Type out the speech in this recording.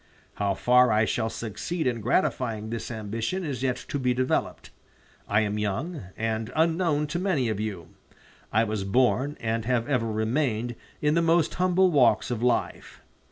How far I shall succeed in gratifying this ambition is yet to be developed. I am young, and unknown to many of you. I was born, and have ever remained, in the most humble walks of life.